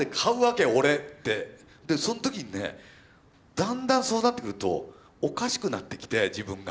でその時にねだんだんそうなってくるとおかしくなってきて自分が。